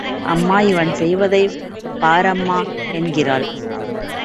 அம்மா இவன் செய்வதைப் பாரம்மா என்கிறாள்.